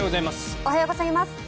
おはようございます。